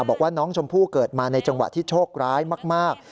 บอกว่าน้องชมพู่เกิดมาในจังหวะที่โชคร้ายมาก